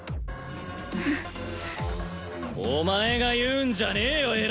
うんお前が言うんじゃねえよ